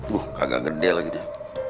duh kagak gede lagi dia